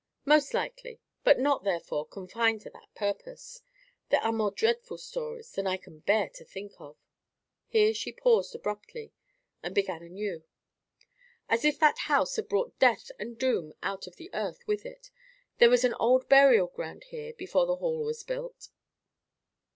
"Most likely; but not, therefore, confined to that purpose. There are more dreadful stories than I can bear to think of"— Here she paused abruptly, and began anew "— As if that house had brought death and doom out of the earth with it. There was an old burial ground here before the Hall was built."